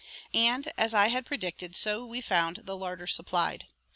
And as I had predicted so we found the larder supplied.